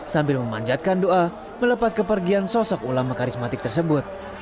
sambil memanjatkan doa melepas kepergian sosok ulama karismatik tersebut